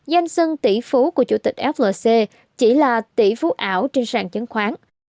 danh sưng tỷ phú của chủ tịch flc chỉ là tỷ phú ảo trên sàn chứng khoán